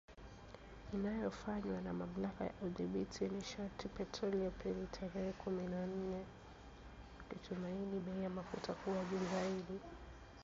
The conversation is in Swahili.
Inayofanywa na Mamlaka ya Udhibiti wa Nishati na Petroli Aprili tarehe kumi na nne wakitumaini bei ya mafuta kuwa juu zaidi.